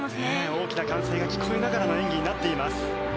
大きな歓声が聞こえながらの演技になっています。